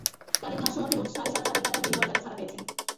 তাঁদের ভাষ্যমতে, মোট সাড়ে সাত হাজার টাকার বিনিময়ে তাঁরা ছাড়া পেয়েছেন।